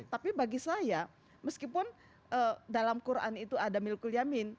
tapi bagi saya meskipun dalam quran itu ada milkul yamin